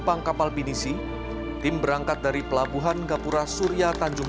going to jelas di p warneng se heavier lagi sebagai tegang siap dokter kecil